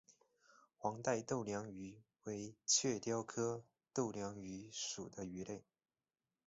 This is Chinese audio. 黄带豆娘鱼为雀鲷科豆娘鱼属的鱼类。